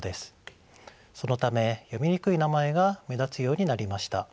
そのため読みにくい名前が目立つようになりました。